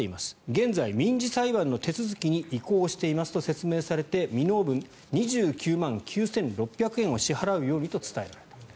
現在、民事裁判の手続きに移行していますと説明されて未納分、２９万９６００円を支払うようにと伝えられた。